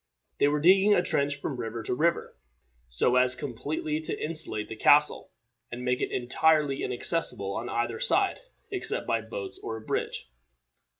They were digging a trench from river to river, so as completely to insulate the castle, and make it entirely inaccessible on either side except by boats or a bridge.